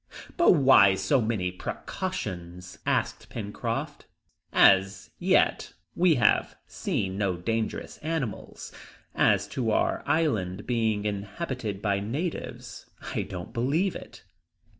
"But why so many precautions?" asked Pencroft. "As yet we have seen no dangerous animals. As to our island being inhabited by natives, I don't believe it!"